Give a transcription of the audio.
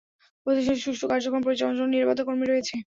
প্রতিষ্ঠানটির সুষ্ঠু কার্যক্রম পরিচালনার জন্য নিরাপত্তা কর্মী রয়েছে।